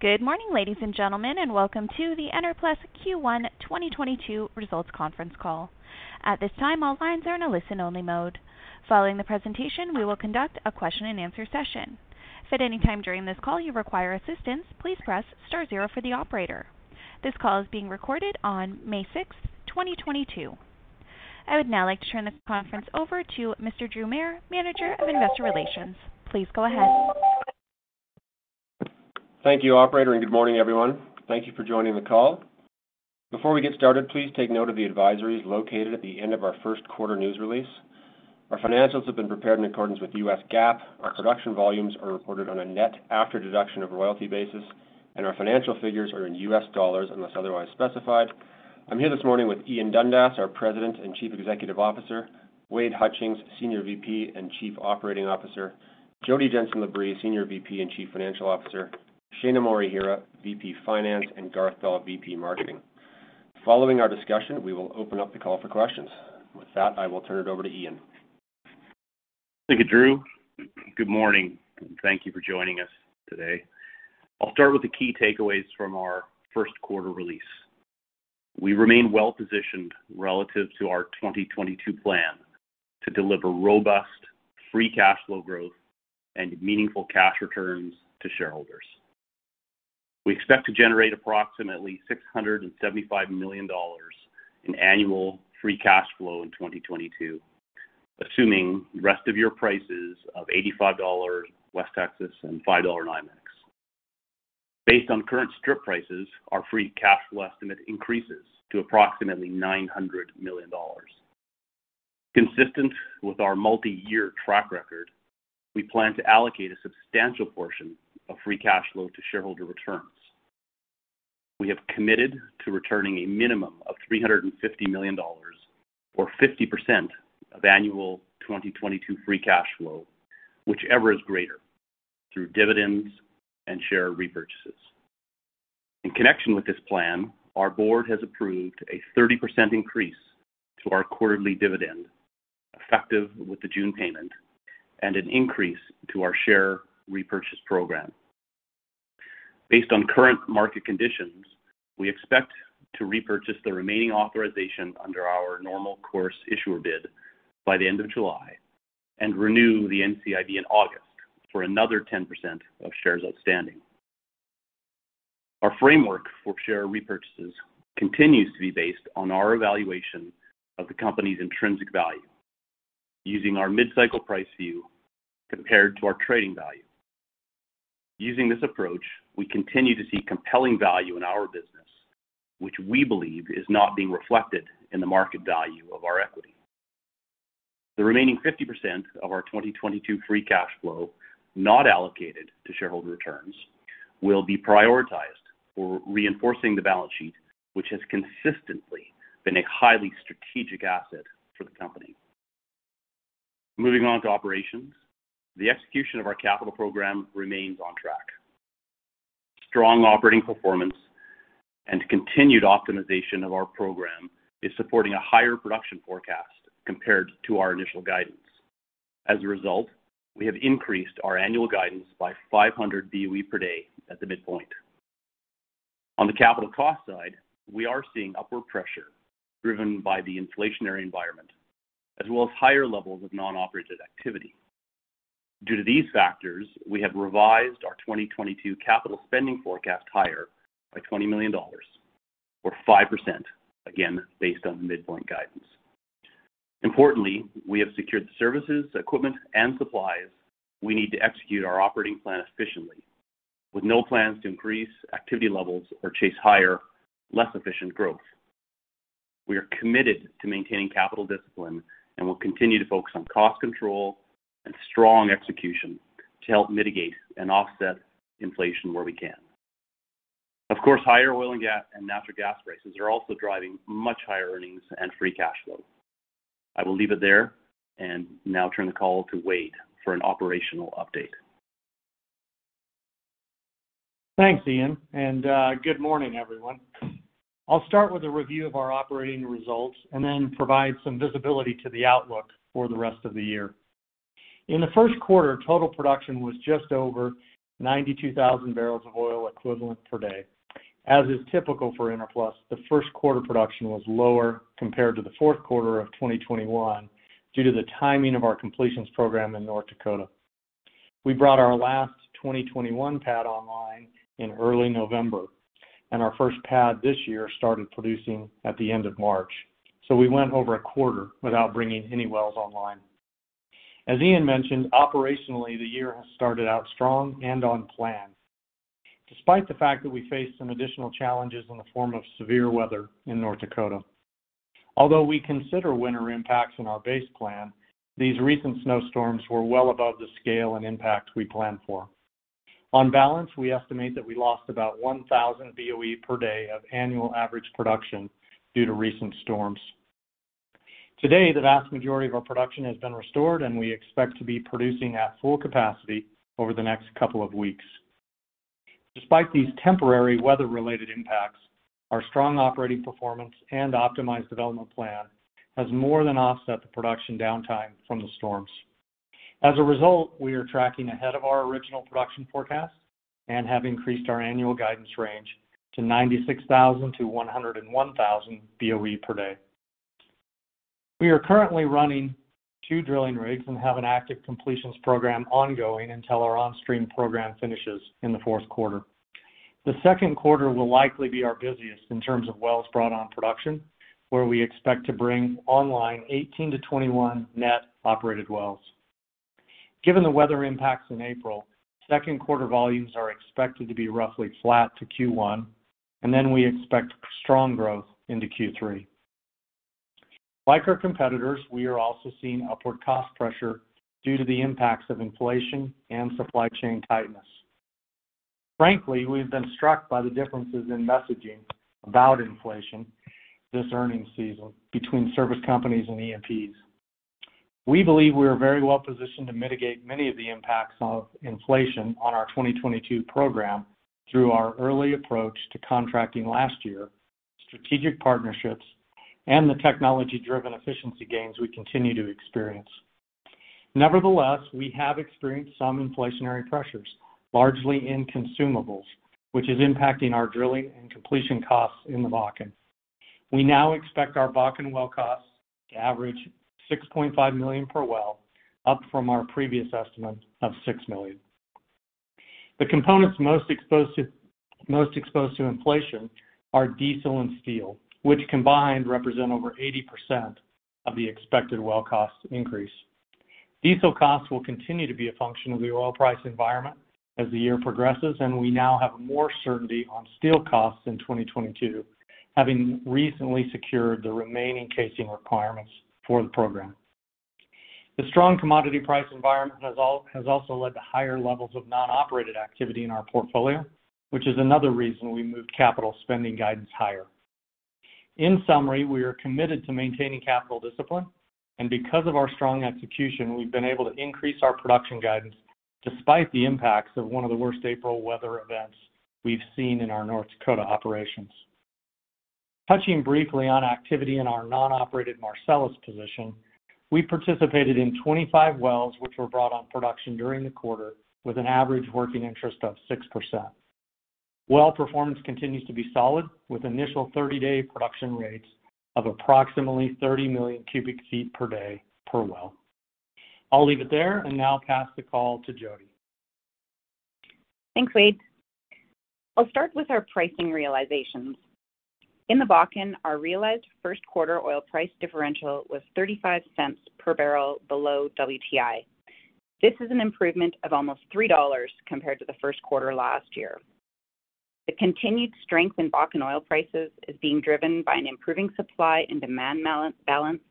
Good morning, ladies and gentlemen, and welcome to the Enerplus Q1 2022 Results Conference Call. At this time, all lines are in a listen-only mode. Following the presentation, we will conduct a question-and-answer session. If at any time during this call you require assistance, please press star zero for the operator. This call is being recorded on May sixth, 2022. I would now like to turn this conference over to Mr. Drew Mair, Manager of Investor Relations. Please go ahead. Thank you, operator, and good morning, everyone. Thank you for joining the call. Before we get started, please take note of the advisories located at the end of our first quarter news release. Our financials have been prepared in accordance with U.S. GAAP. Our production volumes are reported on a net after deduction of royalty basis, and our financial figures are in U.S. dollars unless otherwise specified. I'm here this morning with Ian Dundas, our President and Chief Executive Officer, Wade Hutchings, Senior VP and Chief Operating Officer, Jodine Jenson Labrie, Senior VP and Chief Financial Officer, Shaina Morihira, VP Finance, and Garth Doll, VP Marketing. Following our discussion, we will open up the call for questions. With that, I will turn it over to Ian. Thank you, Drew. Good morning. Thank you for joining us today. I'll start with the key takeaways from our first quarter release. We remain well-positioned relative to our 2022 plan to deliver robust free cash flow growth and meaningful cash returns to shareholders. We expect to generate approximately $675 million in annual free cash flow in 2022, assuming rest of year prices of $85 West Texas and $5 NYMEX. Based on current strip prices, our free cash flow estimate increases to approximately $900 million. Consistent with our multi-year track record, we plan to allocate a substantial portion of free cash flow to shareholder returns. We have committed to returning a minimum of $350 million or 50% of annual 2022 free cash flow, whichever is greater, through dividends and share repurchases. In connection with this plan, our board has approved a 30% increase to our quarterly dividend, effective with the June payment, and an increase to our share repurchase program. Based on current market conditions, we expect to repurchase the remaining authorization under our normal course issuer bid by the end of July and renew the NCIB in August for another 10% of shares outstanding. Our framework for share repurchases continues to be based on our evaluation of the company's intrinsic value using our mid-cycle price view compared to our trading value. Using this approach, we continue to see compelling value in our business, which we believe is not being reflected in the market value of our equity. The remaining 50% of our 2022 free cash flow not allocated to shareholder returns will be prioritized for reinforcing the balance sheet, which has consistently been a highly strategic asset for the company. Moving on to operations. The execution of our capital program remains on track. Strong operating performance and continued optimization of our program is supporting a higher production forecast compared to our initial guidance. As a result, we have increased our annual guidance by 500 BOE per day at the midpoint. On the capital cost side, we are seeing upward pressure driven by the inflationary environment, as well as higher levels of non-operated activity. Due to these factors, we have revised our 2022 capital spending forecast higher by $20 million or 5%, again, based on the midpoint guidance. Importantly, we have secured the services, equipment, and supplies we need to execute our operating plan efficiently with no plans to increase activity levels or chase higher, less efficient growth. We are committed to maintaining capital discipline and will continue to focus on cost control and strong execution to help mitigate and offset inflation where we can. Of course, higher oil and gas and natural gas prices are also driving much higher earnings and free cash flow. I will leave it there and now turn the call to Wade for an operational update. Thanks, Ian, and good morning, everyone. I'll start with a review of our operating results and then provide some visibility to the outlook for the rest of the year. In the first quarter, total production was just over 92,000 barrels of oil equivalent per day. As is typical for Enerplus, the first quarter production was lower compared to the fourth quarter of 2021 due to the timing of our completions program in North Dakota. We brought our last 2021 pad online in early November, and our first pad this year started producing at the end of March. We went over a quarter without bringing any wells online. As Ian mentioned, operationally, the year has started out strong and on plan, despite the fact that we faced some additional challenges in the form of severe weather in North Dakota. Although we consider winter impacts in our base plan, these recent snowstorms were well above the scale and impact we planned for. On balance, we estimate that we lost about 1,000 BOE per day of annual average production due to recent storms. Today, the vast majority of our production has been restored, and we expect to be producing at full capacity over the next couple of weeks. Despite these temporary weather-related impacts, our strong operating performance and optimized development plan has more than offset the production downtime from the storms. As a result, we are tracking ahead of our original production forecast and have increased our annual guidance range to 96,000-101,000 BOE per day. We are currently running two drilling rigs and have an active completions program ongoing until our on-stream program finishes in the fourth quarter. The second quarter will likely be our busiest in terms of wells brought on production, where we expect to bring online 18-21 net operated wells. Given the weather impacts in April, second quarter volumes are expected to be roughly flat to Q1, and then we expect strong growth into Q3. Like our competitors, we are also seeing upward cost pressure due to the impacts of inflation and supply chain tightness. Frankly, we've been struck by the differences in messaging about inflation this earnings season between service companies and E&Ps. We believe we are very well positioned to mitigate many of the impacts of inflation on our 2022 program through our early approach to contracting last year, strategic partnerships, and the technology-driven efficiency gains we continue to experience. Nevertheless, we have experienced some inflationary pressures, largely in consumables, which is impacting our drilling and completion costs in the Bakken. We now expect our Bakken well costs to average $6.5 million per well, up from our previous estimate of $6 million. The components most exposed to inflation are diesel and steel, which combined represent over 80% of the expected well cost increase. Diesel costs will continue to be a function of the oil price environment as the year progresses, and we now have more certainty on steel costs in 2022, having recently secured the remaining casing requirements for the program. The strong commodity price environment has also led to higher levels of non-operated activity in our portfolio, which is another reason we moved capital spending guidance higher. In summary, we are committed to maintaining capital discipline, and because of our strong execution, we've been able to increase our production guidance despite the impacts of one of the worst April weather events we've seen in our North Dakota operations. Touching briefly on activity in our non-operated Marcellus position, we participated in 25 wells which were brought on production during the quarter with an average working interest of 6%. Well performance continues to be solid, with initial 30-day production rates of approximately 30 million cu ft per day per well. I'll leave it there and now pass the call to Jodine. Thanks, Wade. I'll start with our pricing realizations. In the Bakken, our realized first quarter oil price differential was $0.35 per barrel below WTI. This is an improvement of almost $3 compared to the first quarter last year. The continued strength in Bakken oil prices is being driven by an improving supply and demand balance,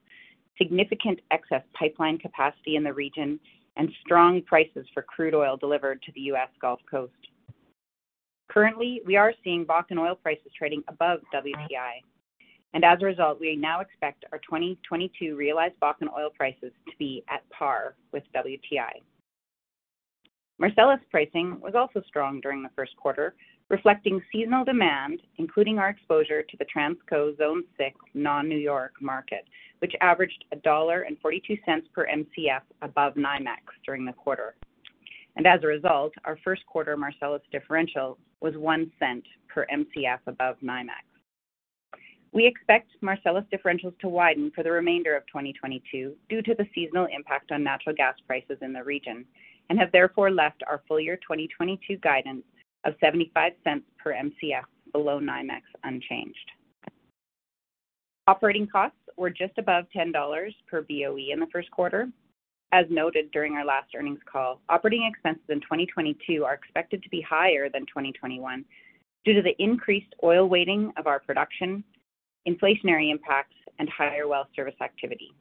significant excess pipeline capacity in the region, and strong prices for crude oil delivered to the U.S. Gulf Coast. Currently, we are seeing Bakken oil prices trading above WTI, and as a result, we now expect our 2022 realized Bakken oil prices to be at par with WTI. Marcellus pricing was also strong during the first quarter, reflecting seasonal demand, including our exposure to the Transco Zone 6 non-New York market, which averaged $1.42 per Mcf above NYMEX during the quarter. As a result, our first quarter Marcellus differential was $0.01 per Mcf above NYMEX. We expect Marcellus differentials to widen for the remainder of 2022 due to the seasonal impact on natural gas prices in the region and have therefore left our full year 2022 guidance of $0.75 per Mcf below NYMEX unchanged. Operating costs were just above $10 per BOE in the first quarter. As noted during our last earnings call, operating expenses in 2022 are expected to be higher than 2021 due to the increased oil weighting of our production, inflationary impacts, and higher well service activity.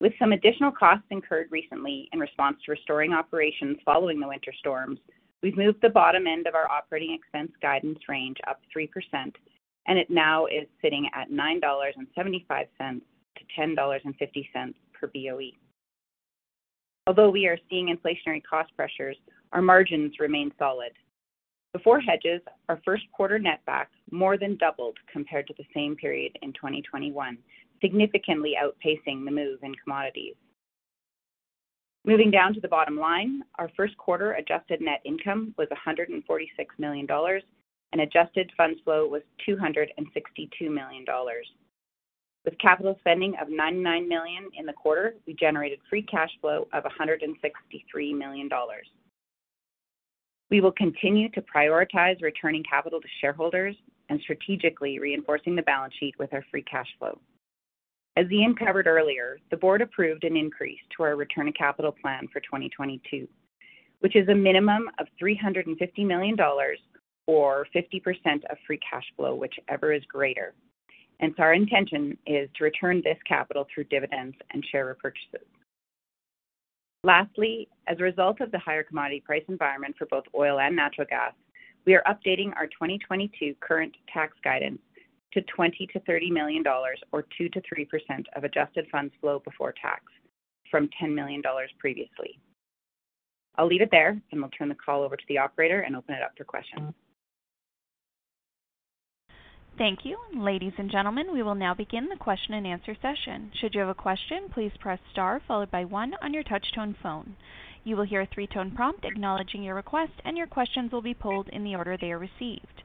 With some additional costs incurred recently in response to restoring operations following the winter storms, we've moved the bottom end of our operating expense guidance range up 3%, and it now is sitting at $9.75-$10.50 per BOE. Although we are seeing inflationary cost pressures, our margins remain solid. Before hedges, our first quarter netback more than doubled compared to the same period in 2021, significantly outpacing the move in commodities. Moving down to the bottom line, our first quarter adjusted net income was $146 million, and adjusted funds flow was $262 million. With capital spending of $99 million in the quarter, we generated free cash flow of $163 million. We will continue to prioritize returning capital to shareholders and strategically reinforcing the balance sheet with our free cash flow. As Ian covered earlier, the board approved an increase to our return of capital plan for 2022, which is a minimum of $350 million or 50% of free cash flow, whichever is greater. Our intention is to return this capital through dividends and share repurchases. Lastly, as a result of the higher commodity price environment for both oil and natural gas, we are updating our 2022 current tax guidance to $20 million-$30 million or 2%-3% of adjusted funds flow before tax from $10 million previously. I'll leave it there, and we'll turn the call over to the operator and open it up for questions. Thank you. Ladies and gentlemen, we will now begin the question-and-answer session. Should you have a question, please press star followed by one on your touch-tone phone. You will hear a three-tone prompt acknowledging your request, and your questions will be pulled in the order they are received.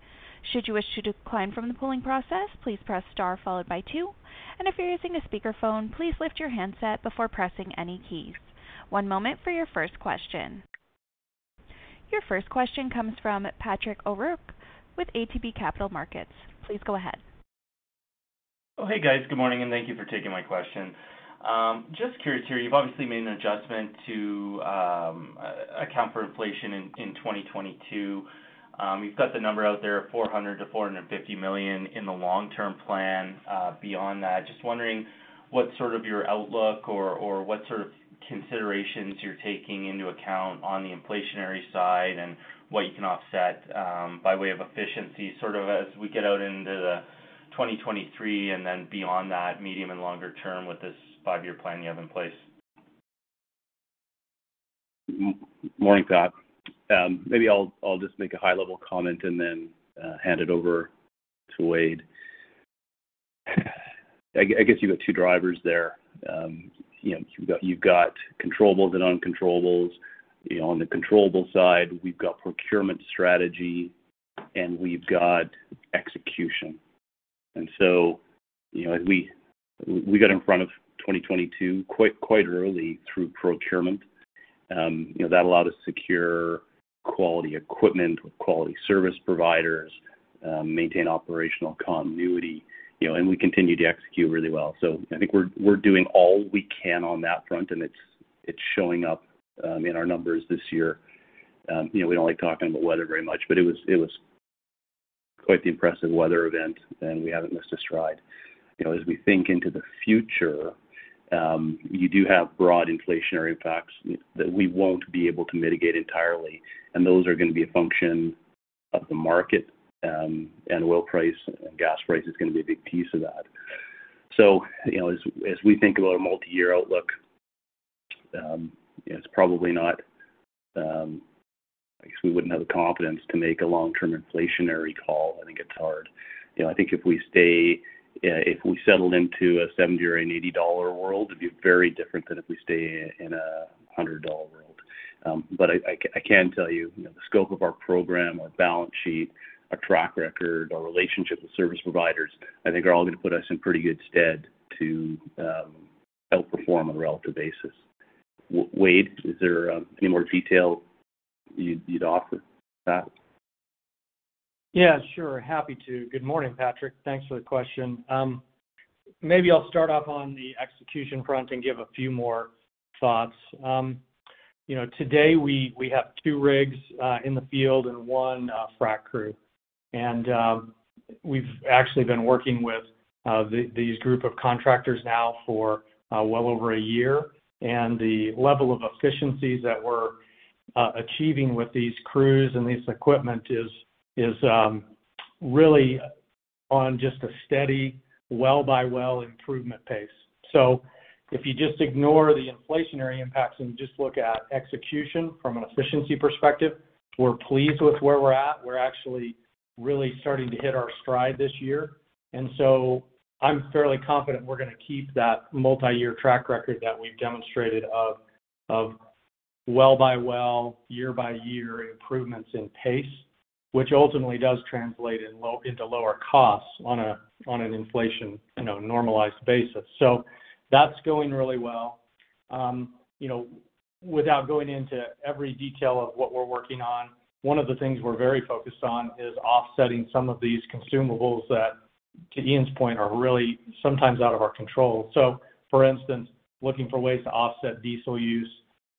Should you wish to decline from the polling process, please press star followed by two. If you're using a speakerphone, please lift your handset before pressing any keys. One moment for your first question. Your first question comes from Patrick O'Rourke with ATB Capital Markets. Please go ahead. Oh, hey, guys. Good morning, and thank you for taking my question. Just curious here, you've obviously made an adjustment to account for inflation in 2022. You've got the number out there, $400 million-$450 million in the long-term plan. Beyond that, just wondering what's sort of your outlook or what sort of considerations you're taking into account on the inflationary side and what you can offset by way of efficiency, sort of as we get out into the 2023 and then beyond that medium and longer term with this five-year plan you have in place. Morning, Pat. Maybe I'll just make a high-level comment and then hand it over to Wade. I guess you've got two drivers there. You know, you've got controllables and uncontrollables. You know, on the controllable side, we've got procurement strategy, and we've got execution. You know, as we got in front of 2022 quite early through procurement. You know, that allowed us to secure quality equipment with quality service providers, maintain operational continuity, you know, and we continued to execute really well. I think we're doing all we can on that front, and it's showing up in our numbers this year. You know, we don't like talking about weather very much, but it was quite the impressive weather event, and we haven't missed a stride. You know, as we think into the future, you do have broad inflationary impacts that we won't be able to mitigate entirely, and those are gonna be a function of the market, and oil price. Gas price is gonna be a big piece of that. You know, as we think about our multi-year outlook, it's probably not. I guess we wouldn't have the confidence to make a long-term inflationary call. I think it's hard. You know, I think if we settled into a $70 or an $80 world, it'd be very different than if we stay in a $100 world. I can tell you know, the scope of our program, our balance sheet, our track record, our relationships with service providers, I think are all gonna put us in pretty good stead to help perform on a relative basis. Wade, is there any more detail you'd offer to that? Yeah, sure. Happy to. Good morning, Patrick. Thanks for the question. Maybe I'll start off on the execution front and give a few more thoughts. You know, today we have two rigs in the field and one frack crew. We've actually been working with these group of contractors now for well over a year. The level of efficiencies that we're achieving with these crews and this equipment is really on just a steady well-by-well improvement pace. If you just ignore the inflationary impacts and just look at execution from an efficiency perspective, we're pleased with where we're at. We're actually really starting to hit our stride this year. I'm fairly confident we're gonna keep that multi-year track record that we've demonstrated of well-by-well, year-by-year improvements in pace, which ultimately does translate into lower costs on an inflation, you know, normalized basis. That's going really well. You know, without going into every detail of what we're working on, one of the things we're very focused on is offsetting some of these consumables that, to Ian's point, are really sometimes out of our control. For instance, looking for ways to offset diesel use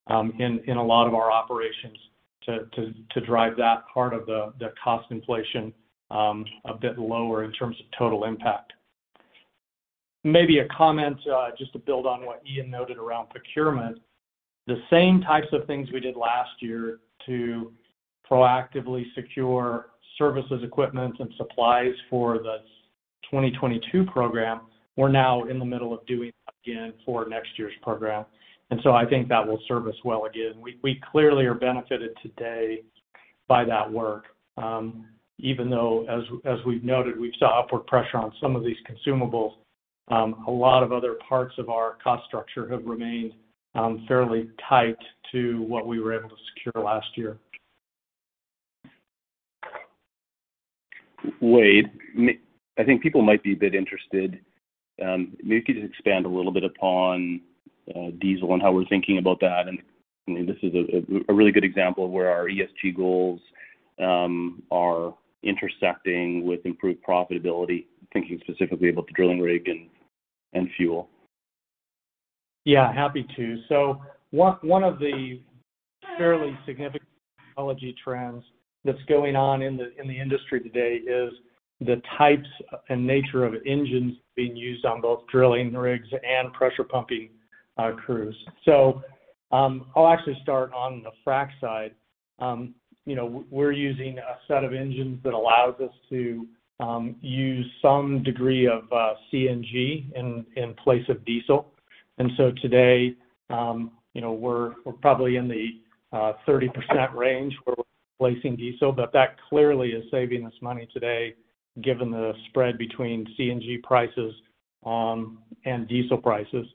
in a lot of our operations to drive that part of the cost inflation a bit lower in terms of total impact. Maybe a comment just to build on what Ian noted around procurement. The same types of things we did last year to proactively secure services, equipment, and supplies for the 2022 program, we're now in the middle of doing again for next year's program. I think that will serve us well again. We clearly are benefited today by that work. Even though, as we've noted, we saw upward pressure on some of these consumables, a lot of other parts of our cost structure have remained fairly tight to what we were able to secure last year. Wade, I think people might be a bit interested. Maybe if you could expand a little bit upon diesel and how we're thinking about that. I mean, this is a really good example of where our ESG goals are intersecting with improved profitability, thinking specifically about the drilling rig and fuel. Yeah, happy to. One of the fairly significant technology trends that's going on in the industry today is the types and nature of engines being used on both drilling rigs and pressure pumping crews. I'll actually start on the frack side. You know, we're using a set of engines that allows us to use some degree of CNG in place of diesel. Today, you know, we're probably in the 30% range where we're replacing diesel, but that clearly is saving us money today given the spread between CNG prices and diesel prices.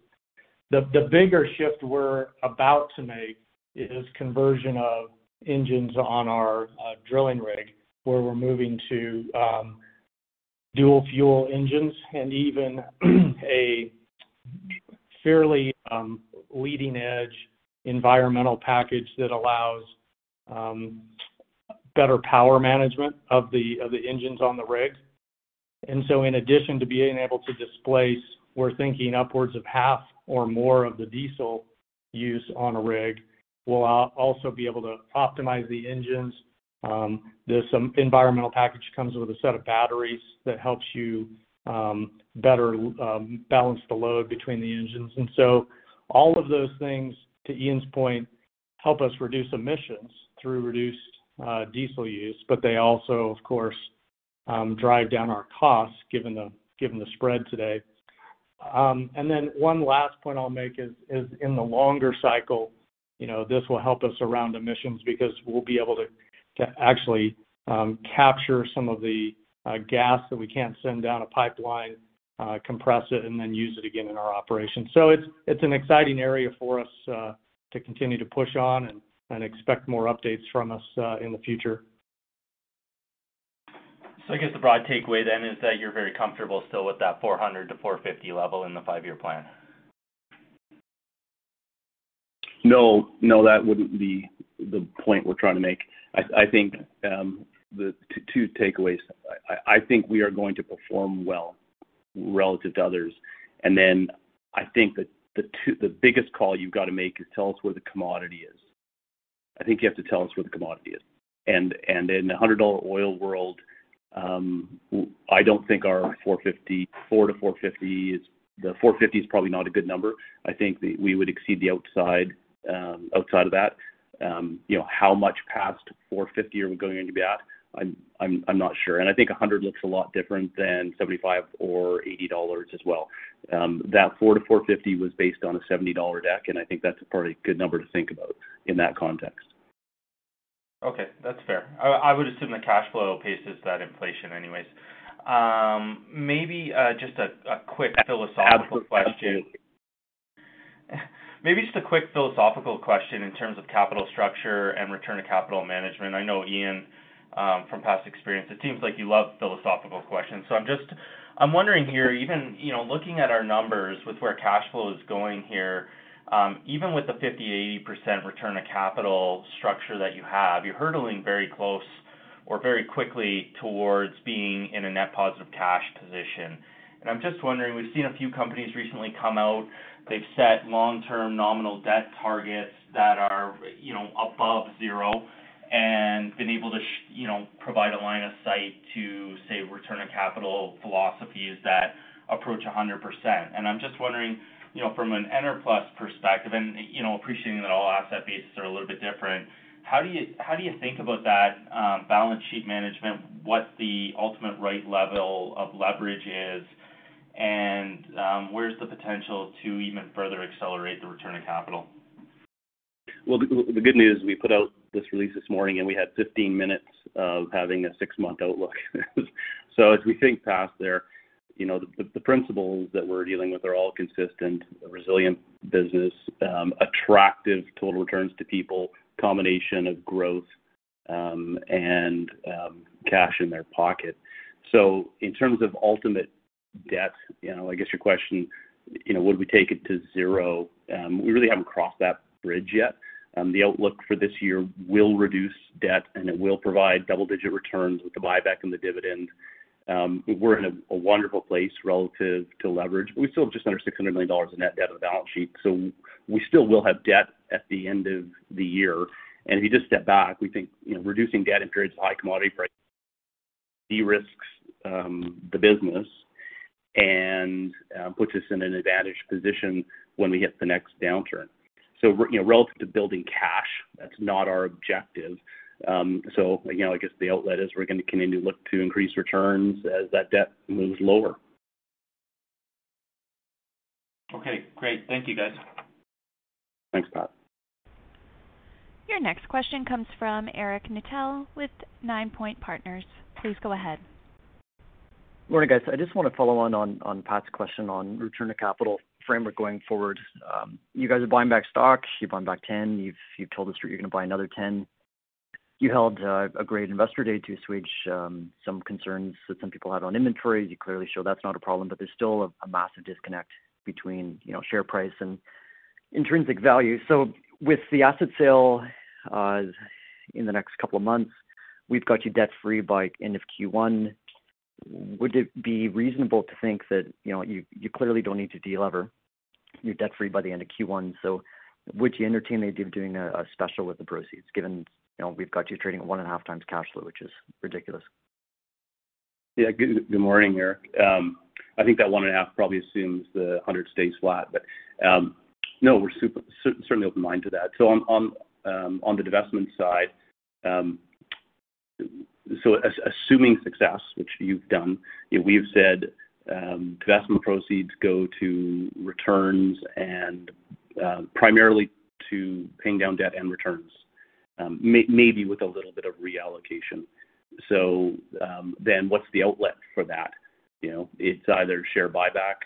The bigger shift we're about to make is conversion of engines on our drilling rig, where we're moving to dual fuel engines and even a fairly leading-edge environmental package that allows better power management of the engines on the rig. In addition to being able to displace, we're thinking upwards of half or more of the diesel use on a rig. We'll also be able to optimize the engines. There's some environmental package comes with a set of batteries that helps you better balance the load between the engines. All of those things, to Ian's point, help us reduce emissions through reduced diesel use, but they also, of course, drive down our costs given the spread today. One last point I'll make is in the longer cycle, you know, this will help us around emissions because we'll be able to actually capture some of the gas that we can't send down a pipeline, compress it, and then use it again in our operation. It's an exciting area for us to continue to push on and expect more updates from us in the future. I guess the broad takeaway then is that you're very comfortable still with that 400-450 level in the five-year plan. No, that wouldn't be the point we're trying to make. I think the two takeaways. I think we are going to perform well relative to others. I think that the biggest call you've got to make is tell us where the commodity is. I think you have to tell us where the commodity is. In the $100 oil world, I don't think our $400-$450 is. The $450 is probably not a good number. I think that we would exceed the upside of that. You know, how much past $450 are we going into that? I'm not sure. I think $100 looks a lot different than $75 or $80 as well. That $4-$4.50 was based on a $70 deck, and I think that's probably a good number to think about in that context. Okay. That's fair. I would assume the cash flow paces that inflation anyways. Maybe just a quick philosophical question. Absolutely. Maybe just a quick philosophical question in terms of capital structure and return of capital management. I know, Ian, from past experience, it seems like you love philosophical questions. I'm wondering here, even, you know, looking at our numbers with where cash flow is going here, even with the 50%-80% return on capital structure that you have, you're heading very close or very quickly towards being in a net positive cash position. I'm just wondering. We've seen a few companies recently come out. They've set long-term nominal debt targets that are, you know, above zero and been able to, you know, provide a line of sight to, say, return on capital philosophies that approach 100%. I'm just wondering, you know, from an Enerplus perspective and, you know, appreciating that all asset bases are a little bit different, how do you, how do you think about that, balance sheet management, what the ultimate right level of leverage is, and, where's the potential to even further accelerate the return on capital? Well, the good news is we put out this release this morning, and we had 15 minutes of having a six-month outlook. As we think past there, you know, the principles that we're dealing with are all consistent, a resilient business, attractive total returns to people, combination of growth, and cash in their pocket. In terms of ultimate debt, you know, I guess your question, you know, would we take it to zero? We really haven't crossed that bridge yet. The outlook for this year will reduce debt, and it will provide double-digit returns with the buyback and the dividend. We're in a wonderful place relative to leverage. We still have just under $600 million in net debt on the balance sheet. We still will have debt at the end of the year. If you just step back, we think, you know, reducing debt in periods of high commodity prices de-risks the business and puts us in an advantaged position when we hit the next downturn. You know, relative to building cash, that's not our objective. You know, I guess the outlet is we're gonna continue to look to increase returns as that debt moves lower. Okay. Great. Thank you, guys. Thanks, Pat. Your next question comes from Eric Nuttall with Ninepoint Partners. Please go ahead. Morning, guys. I just wanna follow on Pat's question on return to capital framework going forward. You guys are buying back stocks. You've bought back 10. You've told The Street you're gonna buy another 10. You held a great investor day to assuage some concerns that some people had on inventory. You clearly show that's not a problem, but there's still a massive disconnect between, you know, share price and intrinsic value. With the asset sale in the next couple of months, we've got you debt-free by end of Q1. Would it be reasonable to think that, you know, you clearly don't need to de-lever. You're debt-free by the end of Q1. Would you entertain the idea of doing a special with the proceeds given, you know, we've got you trading at 1.5x cash flow, which is ridiculous? Yeah. Good morning, Eric. I think that 1.5 probably assumes the 100 stays flat. No, we're certainly open mind to that. On the divestment side, assuming success, which you've done, you know, we've said, divestment proceeds go to returns and, primarily to paying down debt and returns, maybe with a little bit of reallocation. Then what's the outlet for that? You know, it's either share buyback,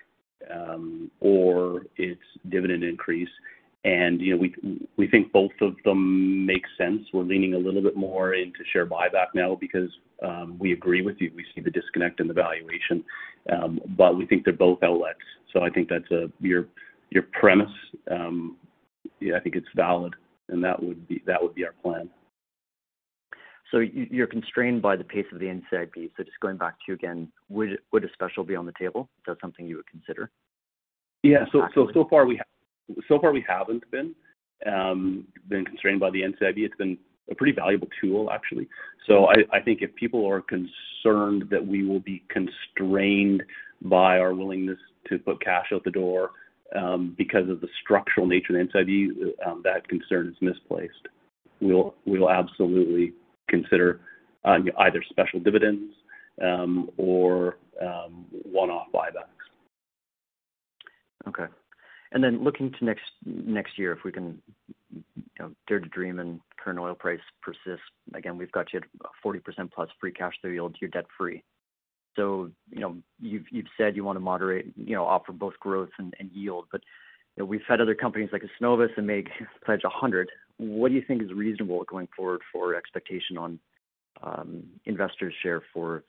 or it's dividend increase. You know, we think both of them make sense. We're leaning a little bit more into share buyback now because, we agree with you. We see the disconnect in the valuation, but we think they're both outlets. I think that's your premise, yeah, I think it's valid, and that would be our plan. You, you're constrained by the pace of the NCIB. Just going back to you again, would a special be on the table? Is that something you would consider? Yeah. So far we haven't been constrained by the NCIB. It's been a pretty valuable tool, actually. I think if people are concerned that we will be constrained by our willingness to put cash out the door, because of the structural nature of the NCIB, that concern is misplaced. We'll absolutely consider either special dividends or one-off buybacks. Okay. Then looking to next year, if we can, you know, dare to dream and current oil price persists, again, we've got you at 40% plus free cash flow yield, you're debt free. You know, you've said you wanna moderate, you know, offer both growth and yield. You know, we've had other companies like Cenovus and MEG pledge 100%. What do you think is reasonable going forward for expectation on investors share for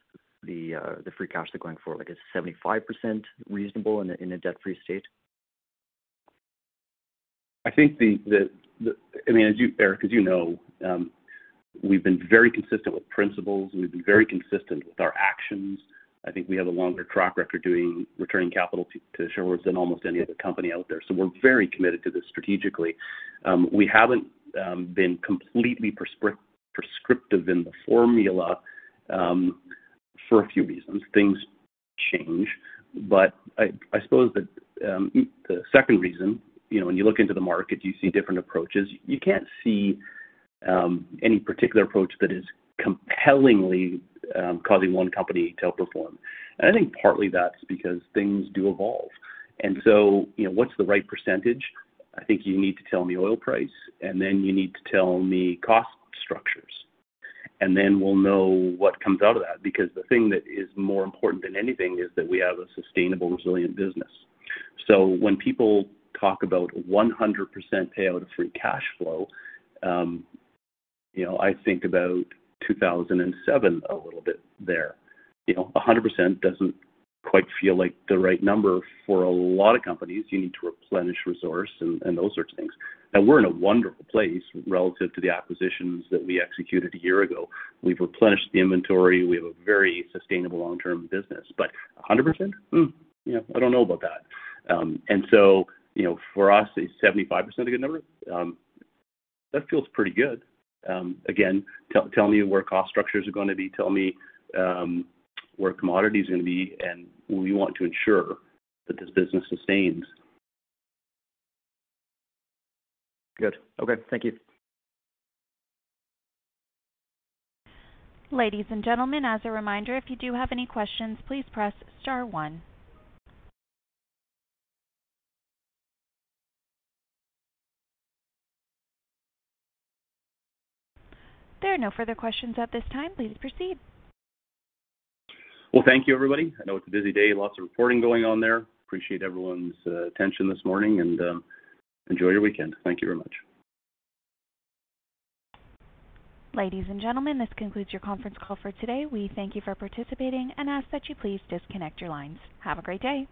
the free cash they're going for? Like, is 75% reasonable in a debt-free state? I mean, as you, Eric, as you know, we've been very consistent with principles. We've been very consistent with our actions. I think we have a longer track record returning capital to shareholders than almost any other company out there. We're very committed to this strategically. We haven't been completely prescriptive in the formula for a few reasons. Things change. I suppose the second reason, you know, when you look into the market, you see different approaches. You can't see any particular approach that is compellingly causing one company to outperform. I think partly that's because things do evolve. You know, what's the right percentage? I think you need to tell me oil price, and then you need to tell me cost structures, and then we'll know what comes out of that. Because the thing that is more important than anything is that we have a sustainable, resilient business. When people talk about 100% payout of free cash flow, you know, I think about 2007 a little bit there. You know, 100% doesn't quite feel like the right number for a lot of companies. You need to replenish resource and those sorts of things. Now we're in a wonderful place relative to the acquisitions that we executed a year ago. We've replenished the inventory. We have a very sustainable long-term business. 100%? You know, I don't know about that. You know, for us, is 75% a good number? That feels pretty good. Again, tell me where cost structures are gonna be, tell me where commodity is gonna be, and we want to ensure that this business sustains. Good. Okay. Thank you. Ladies and gentlemen, as a reminder, if you do have any questions, please press star one. There are no further questions at this time. Please proceed. Well, thank you, everybody. I know it's a busy day. Lots of reporting going on there. Appreciate everyone's attention this morning and enjoy your weekend. Thank you very much. Ladies and gentlemen, this concludes your conference call for today. We thank you for participating and ask that you please disconnect your lines. Have a great day.